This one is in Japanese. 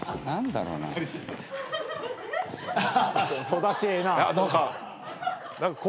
何だろうな。